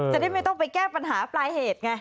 จะได้ไม่ต้องไปแก้ปัญหาปลายเหตุไง